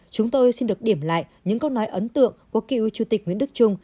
chúng tôi xin được điểm lại những câu nói ấn tượng của cựu chủ tịch nguyễn đức trung